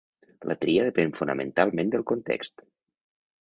La tria depèn fonamentalment del context.